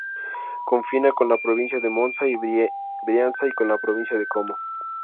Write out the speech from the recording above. Confina con la provincia de Monza y Brianza y con la Provincia de Como.